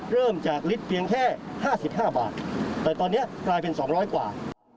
เริ่มจากลิตรเพียงแค่๕๕บาทแต่ตอนนี้กลายเป็น๒๐๐กว่า